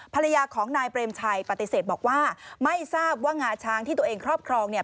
ภรรยาของนายเปรมชัยปฏิเสธบอกว่าไม่ทราบว่างาช้างที่ตัวเองครอบครองเนี่ย